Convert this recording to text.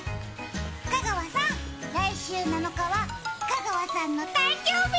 香川さん、来週７日は香川さんの誕生日。